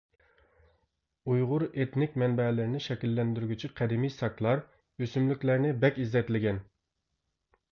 ئۇيغۇر ئېتنىك مەنبەلىرىنى شەكىللەندۈرگۈچى قەدىمى ساكلار ئۆسۈملۈكلەرنى بەك ئىززەتلىگەن.